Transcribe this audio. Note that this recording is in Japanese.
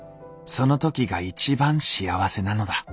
その時が一番幸せなのだ。